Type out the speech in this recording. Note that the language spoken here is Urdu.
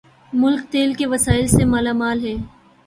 ملک تیل کے وسائل سے مالا مال ہے